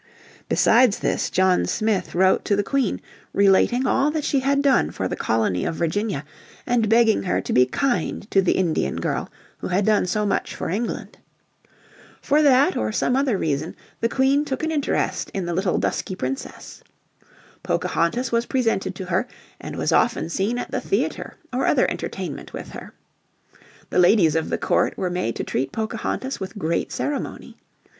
Besides this John Smith wrote to the Queen relating all that she had done for the Colony of Virginia and begging her to be kind to the Indian girl who had done so much for England. For that or some other reason the Queen took an interest in the little dusky Princess. Pocahontas was presented to her, and was often seen at the theatre or other entertainment with her. The ladies of the court were made to treat Pocahontas with great ceremony.